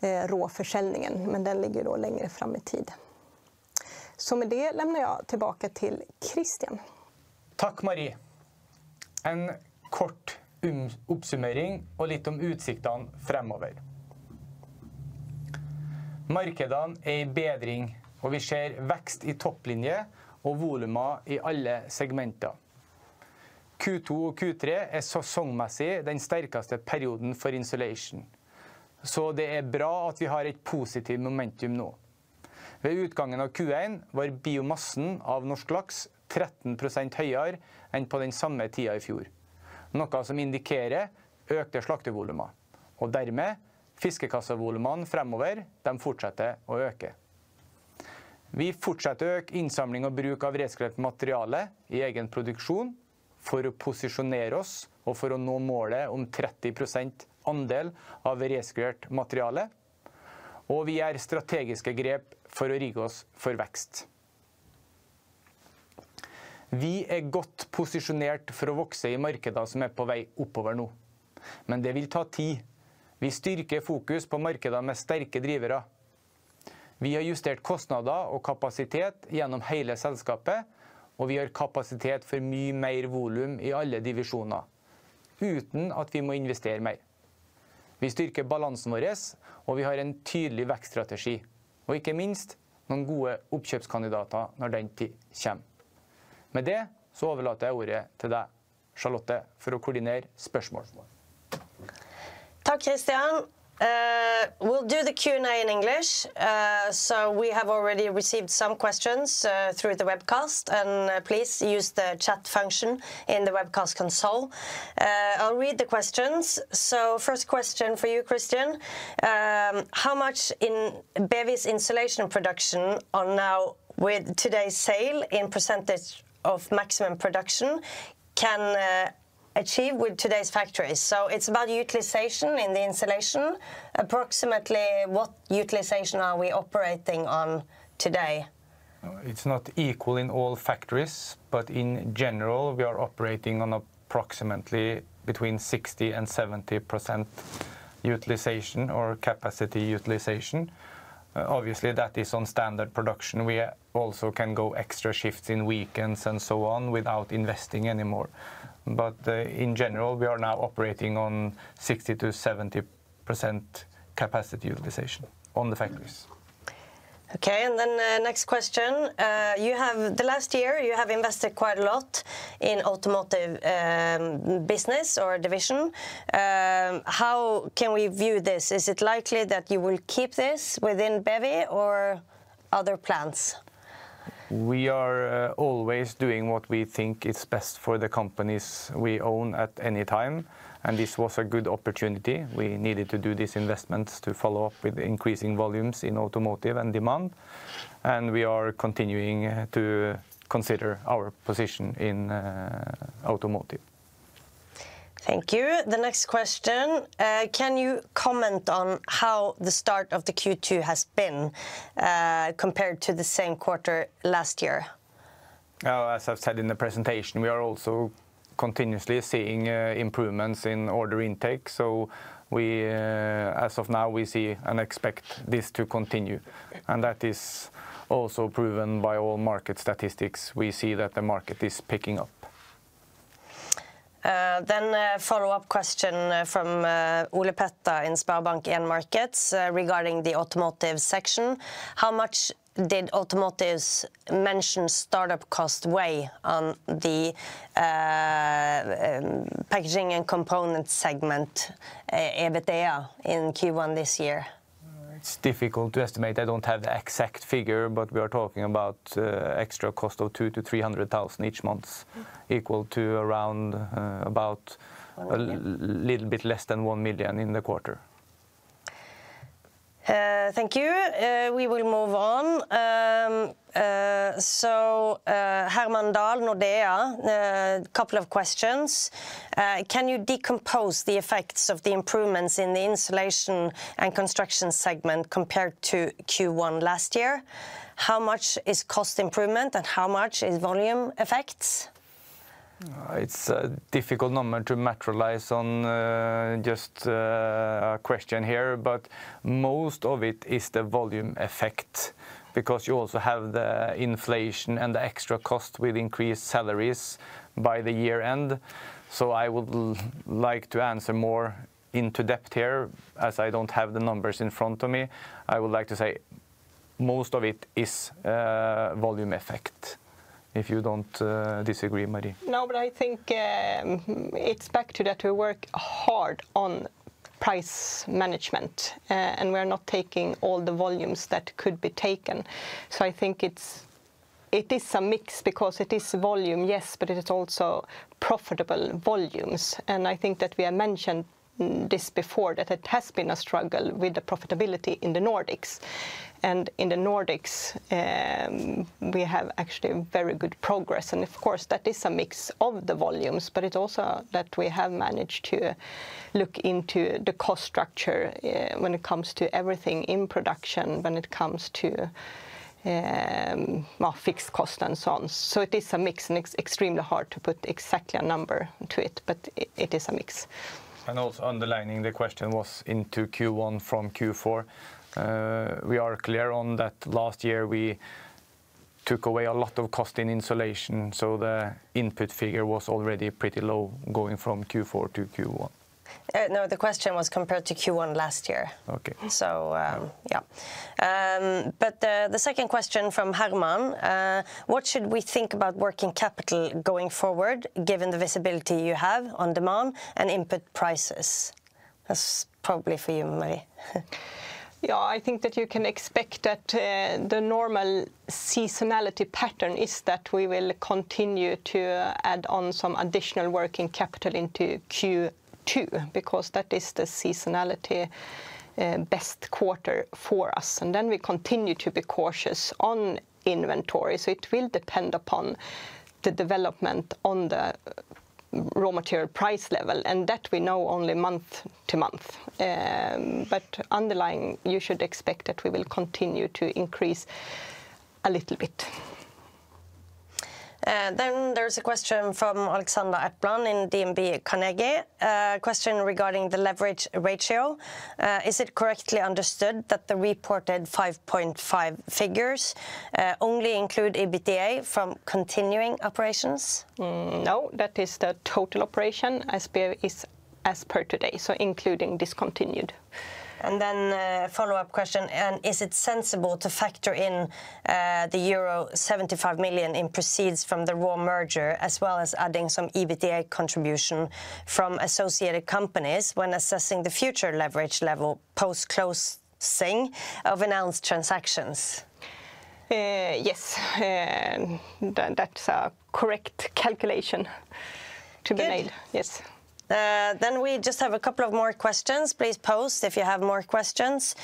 Thank you, Christian. We'll do the Q and A in English. So we have already received some questions through the webcast. And please use the chat function in the webcast console. I'll read the questions. So first question for you, Christian. How much in BEVs insulation production are now with today's sale in percentage of maximum production can achieve with today's factories? So it's about utilization in the insulation. Approximately what utilization are we operating on today? It's not equal in all factories, but in general we are operating on approximately between 6070% utilization or capacity utilization. Obviously that is on standard production, we also can go extra shifts in weekends and so on without investing anymore. But in general we are now operating on 60% to 70% capacity utilization on the factories. And then next question. The last year, you have invested quite a lot in automotive business or division. How can we view this? Is it likely that you will keep this within Bevy or other plans? We are always doing what we think is best for the companies we own at any time and this was a good opportunity. We needed to do these investments to follow-up with increasing volumes in automotive and demand and we are continuing to consider our position in automotive. Thank you. The next question: Can you comment on how the start of the Q2 has been compared to the same quarter last year? As I've said in the presentation, we are also continuously seeing improvements in order intake. As of now, we see and expect this to continue. And that is also proven by all market statistics. We see that the market is picking up. Then a follow-up question from Ulle Petta in Sberbanken Markets regarding the automotive section. How much did automotive's mentioned startup costs weigh on the packaging and components segment EBITDA in Q1 this year? It's difficult to estimate. I don't have the exact figure, but we are talking about extra cost of 200 to 300,000 each month, equal to around about a little bit less than 1,000,000 in the quarter. Thank you. We will move on. Hermann Dahl, Nordea, a couple of questions. Can you decompose the effects of the improvements in the insulation and construction segment compared to Q1 last year? How much is cost improvement and how much is volume effects? It's a difficult number to materialize on just a question here, but most of it is the volume effect because you also have the inflation and the extra cost with increased salaries by the year end. So I would like to answer more into depth here, as I don't have the numbers in front of me. I would like to say most of it is volume effect, if you don't disagree Marie. No, but I think it's back to that we work hard on price management and we're not taking all the volumes that could be taken. So I think it is a mix because it is volume, yes, but it is also profitable volumes. And I think that we have mentioned this before, that it has been a struggle with profitability in The Nordics. And in The Nordics, we have actually very good progress. Of course, that is a mix of the volumes, but it's also that we have managed to look into the cost structure when it comes to everything in production, when it comes to fixed costs and so on. So it is a mix, and it's extremely hard to put exactly a number to it, but it is a mix. And also underlining the question was into Q1 from Q4. We are clear on that last year we took away a lot of cost in insulation, so the input figure was already pretty low going from Q4 to Q1. No, the question was compared to Q1 last year. But the second question from What should we think about working capital going forward, given the visibility you have on demand and input prices? That's probably for you, Marie. Yes, I think that you can expect that the normal seasonality pattern is that we will continue to add on some additional working capital into Q2, because that is the seasonality best quarter for us. And then we continue to be cautious on inventory. So it will depend upon the development on the raw material price level and that we know only month to month. Underlying, you should expect that we will continue to increase a little bit. Then there's a question from Alexandra Etbrand in DNB Carnegie. A question regarding the leverage ratio. Is it correctly understood that the reported 5.5 figures only include EBITDA from continuing operations? No, that is the total operation as per today, so including discontinued. And then a follow-up question. And is it sensible to factor in the euro 75,000,000 in proceeds from the raw merger as well as adding some EBITDA contribution from associated companies when assessing the future leverage level post closing of announced transactions? Yes. That's a correct calculation to be Yes. We just have a couple of more questions. Please post if you have more questions.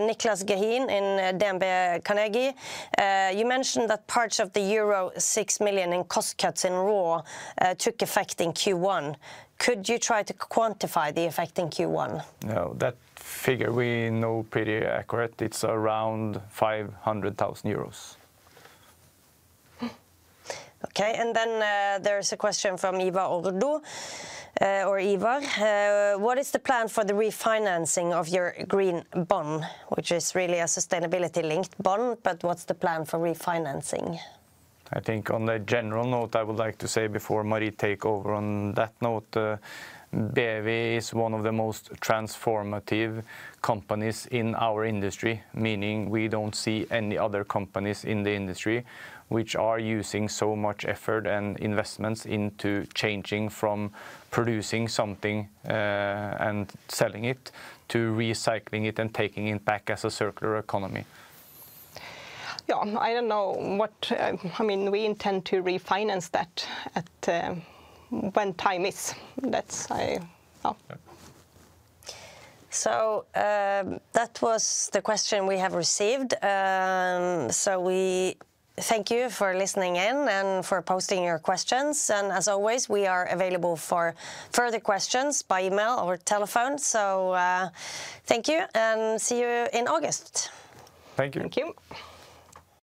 Nicolas Gehin in DNB Carnegie. You mentioned that parts of the euro 6,000,000 in cost cuts in raw took effect in Q1. Could you try to quantify the effect in Q1? No, that figure we know pretty accurate. It's around €500,000. Okay. And then there is a question from Eva Ordodo or Eva. What is the plan for the refinancing of your green bond, which is really a sustainability linked bond, but what's the plan for refinancing? I think on a general note, would like to say before Marie take over on that note, BEV is one of the most transformative companies in our industry, meaning we don't see any companies in the industry which are using so much effort and investments into changing from producing something and selling it, to recycling it and taking it back as a circular economy. I don't know what I mean, we intend to refinance that when time is. That was the question we have received. So we thank you for listening in and for posting your questions. And as always, we are available for further questions by email or telephone. So thank you and see you in August. Thank you. Thank you.